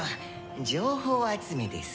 情報集めです。